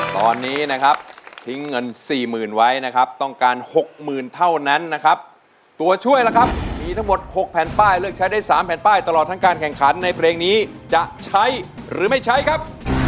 ตอนนี้นะครับทิ้งเงินสี่หมื่นไว้นะครับต้องการ๖๐๐๐เท่านั้นนะครับตัวช่วยล่ะครับมีทั้งหมด๖แผ่นป้ายเลือกใช้ได้๓แผ่นป้ายตลอดทั้งการแข่งขันในเพลงนี้จะใช้หรือไม่ใช้ครับ